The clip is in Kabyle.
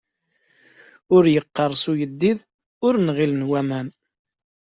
Ur yeqqirṣ uyeddid, ur nɣilen waman.